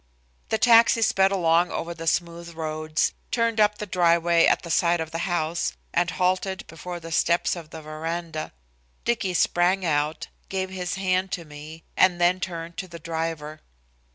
The taxi sped along over the smooth roads, turned up the driveway at the side of the house and halted before the steps of the veranda. Dicky sprang out, gave his hand to me, and then turned to the driver.